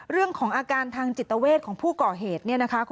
เรื่องของอาการทางจิตเวทของผู้เกาะเหตุ